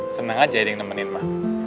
seneng aja yang nemenin ma